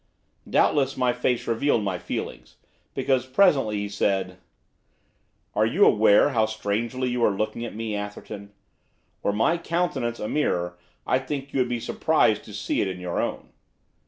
Doubtless my face revealed my feelings, because, presently, he said, 'Are you aware how strangely you are looking at me, Atherton? Were my countenance a mirror I think you would be surprised to see in it your own.